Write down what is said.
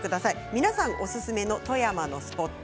皆さんおすすめの富山のスポット